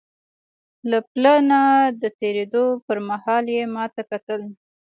له پله نه د تېرېدو پر مهال یې ما ته کتل.